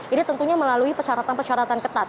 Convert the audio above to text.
ini tentunya melalui persyaratan persyaratan ketat